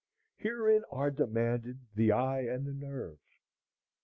Herein are demanded the eye and the nerve.